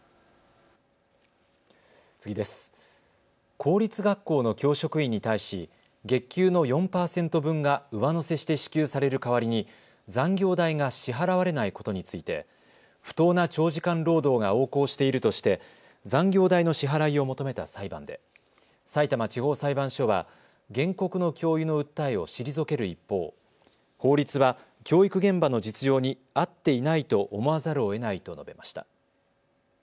公立学校の教職員に対し、月給の４％分が上乗せして支給される代わりに残業代が支払われないことについて不当な長時間労働が横行しているとして残業代の支払いを求めた裁判でさいたま地方裁判所は原告の教諭の訴えを退ける一方、法律は教育現場の実情に合っていないと思わざるをえないと述べました。